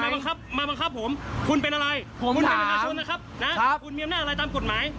บังคับมาบังคับผมคุณเป็นอะไรผมคุณเป็นประชาชนนะครับนะคุณมีอำนาจอะไรตามกฎหมาย